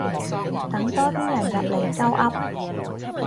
等多啲人入嚟鳩噏